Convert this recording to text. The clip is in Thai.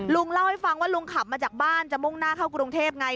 ลุงเล่าให้ฟังว่าลุงขับมาจากบ้านจะมุ่งหน้าเข้ากรุงเทพไง